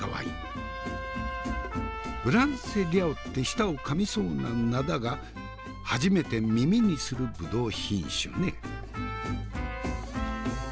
ブランセリャオって舌をかみそうな名だが初めて耳にするブドウ品種ね。